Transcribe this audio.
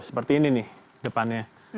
seperti ini nih depannya